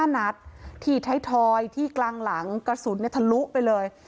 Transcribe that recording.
นัดที่ไทยทอยที่กลางหลังกระสุนทะลุไปเลย